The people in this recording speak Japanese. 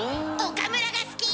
岡村が好き！